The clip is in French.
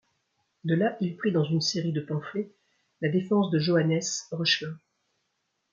De là, il prit dans une série de pamphlets la défense de Johannes Reuchlin.